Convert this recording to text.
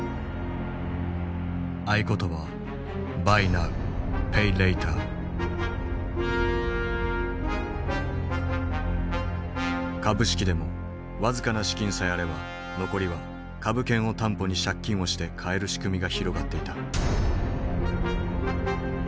合言葉は株式でも僅かな資金さえあれば残りは株券を担保に借金をして買える仕組みが広がっていた。